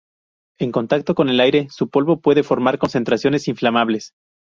En contacto con el aire, su polvo puede formar concentraciones inflamables.